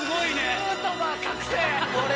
ヌートバー覚醒。